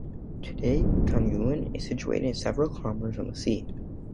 Today Kauniainen is situated several kilometres from the sea.